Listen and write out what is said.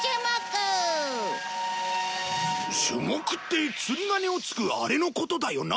しゅ木って釣り鐘を突くあれのことだよな？